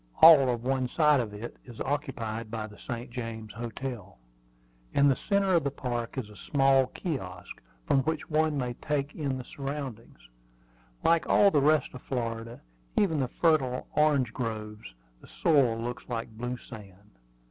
All of one side of it is occupied by the St. James Hotel. In the centre of the park is a small kiosk, from which one may take in the surroundings. Like all the rest of Florida, even the fertile orange groves, the soil looks like blue sand.